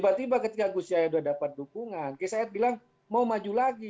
nah tiba tiba ketika gus yahya sudah mendapat dukungan ksat bilang mau maju lagi